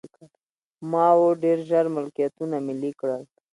ماوو ډېر ژر ملکیتونه ملي کړل.